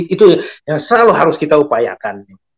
itu yang selalu harus kita upayakan